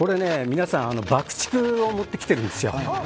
皆さん、爆竹を持ってきているんですよ。